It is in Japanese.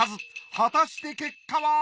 果たして結果は！？